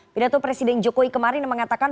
pidato presiden jokowi kemarin yang mengatakan